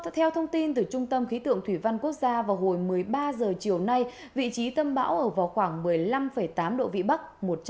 theo thông tin từ trung tâm khí tượng thủy văn quốc gia vào hồi một mươi ba h chiều nay vị trí tâm bão ở vào khoảng một mươi năm tám độ vĩ bắc